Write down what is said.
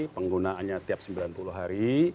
penggunaannya tiap sembilan puluh hari